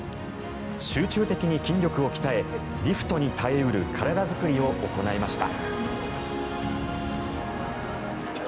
集中的に筋力を鍛えリフトに耐え得る体作りを行いました。